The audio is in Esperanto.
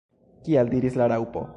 "Kial?" diris la Raŭpo.